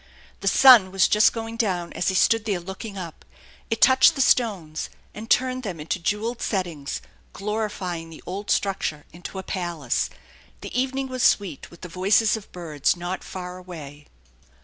The sun was just going down as he stood there looking up. It touched the stones, and turned them into jewelled settings, glorifying the old structure into a palace. The evening was sweet with the voices of birds not far away.